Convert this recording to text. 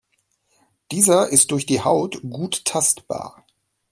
Dieser ist durch die Haut gut tastbar.